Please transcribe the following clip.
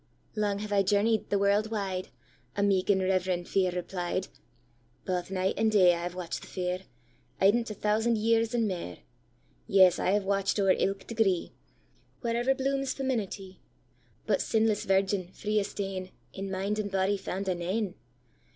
'—'Lang have I journey'd, the world wide,'A meek and reverend fere replied;'Baith night and day I have watch'd the fair, Eident a thousand years and mair. Yes, I have watch'd o'er ilk degree, Wherever blooms femenitye; But sinless virgin, free of stainIn mind and body, fand I nane.